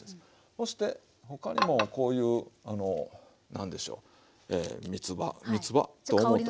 そして他にもこういう何でしょうみつ葉みつ葉と思った。